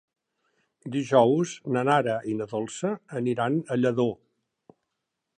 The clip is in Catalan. Dijous na Nara i na Dolça aniran a Lladó.